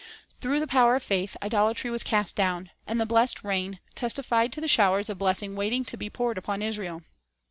Through the power of faith, idolatry was cast clown, and the blessed rain testified to the showers of blessing waiting to be poured upon Israel.